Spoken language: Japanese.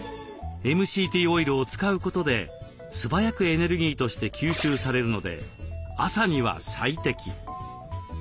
ＭＣＴオイルを使うことで素早くエネルギーとして吸収されるので朝には最適。